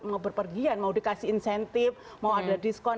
mau berpergian mau dikasih insentif mau ada diskon